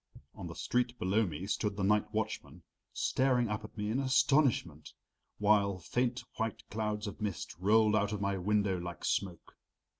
On the street below me stood the night watchman, staring up at me in astonishment, while faint white clouds of mist rolled out of my window like smoke.